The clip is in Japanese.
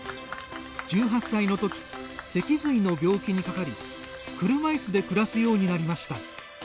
１８歳のとき脊髄の病気にかかり車いすで暮らすようになりました。